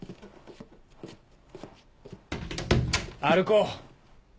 歩こう。